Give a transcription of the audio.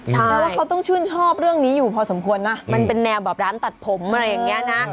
เพราะว่าเขาต้องชื่นชอบเรื่องนี้อยู่พอสมควรนะมันเป็นแนวแบบร้านตัดผมอะไรอย่างนี้นะ